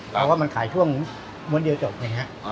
เพราะว่ามันขายช่วงวันเดียวจบเนี่ยฮะ